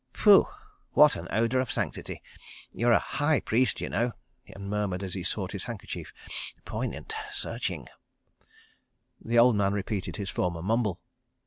... Pooh! What an odour of sanctity! You're a high priest, y'know," and murmured as he sought his handkerchief, "Poignant! ... Searching. ..." The old man repeated his former mumble.